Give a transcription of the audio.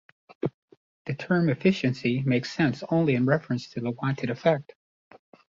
The term "efficiency" makes sense only in reference to the wanted effect.